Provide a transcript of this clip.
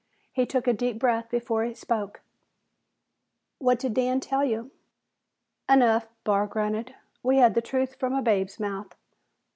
He took a deep breath before he spoke. "What did Dan tell you?" "Enough," Barr grunted. "We had the truth from a babe's mouth."